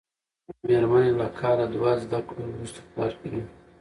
مېرمن یې له کال دوه زده کړو وروسته کار کوي.